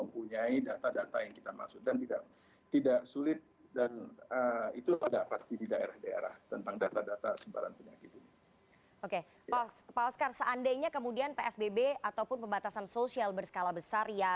pembatasan sosial berskala besar